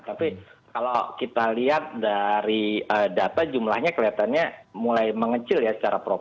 tapi kalau kita lihat dari data jumlahnya kelihatannya mulai mengecil ya